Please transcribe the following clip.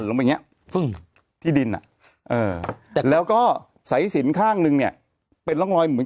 อย่างเงี้ยพึ่งที่ดินอ่ะเออแล้วก็สายสินข้างหนึ่งเนี้ยเป็นรองลอยเหมือน